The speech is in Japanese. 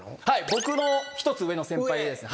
僕の１つ上の先輩でですね